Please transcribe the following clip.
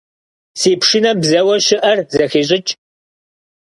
Си пшынэм бзэуэ щыӀэр зэхещӀыкӀ.